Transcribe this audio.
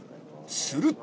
すると